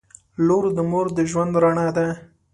• لور د مور د ژوند رڼا ده.